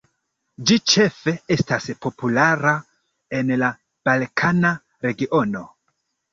Ĝi ĉefe estas populara en la balkana regiono.